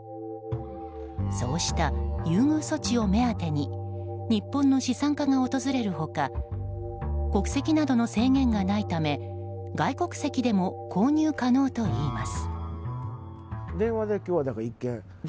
こうした優遇措置を目当てに日本の資産家が訪れる他国籍などの制限がないため外国籍でも購入可能といいます。